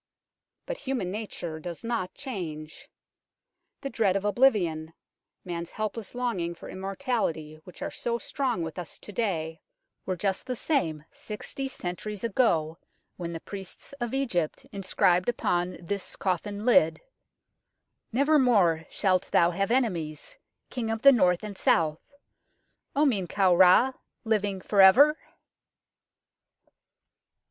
But human nature does not change. The dread of oblivion, man's helpless longing for immortality, which are so strong with us to day, were just the same sixty centuries ago when the priests of Egypt inscribed upon this coffin lid " Never more shall thou have enemies, King of the North and South, O Men kau Ra, living for ever